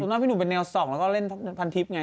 คุณมั่งพี่หนูเป็นแนว๒แล้วก็เล่นพันทิศไง